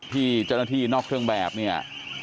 ที่เจ้าหน้าที่นอกเครื่องแบบเนี่ย